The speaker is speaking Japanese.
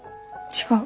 違う。